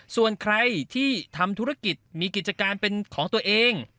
ส่วนใครที่ทำธุรกิจมีกิจการเป็นของตัวเอง